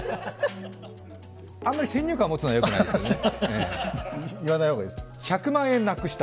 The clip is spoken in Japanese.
あまり先入観を持つのもよくないですね。